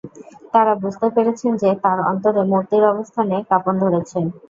তারা বুঝতে পেরেছেন যে, তার অন্তরে মূর্তির অবস্থানে কাঁপন ধরেছে।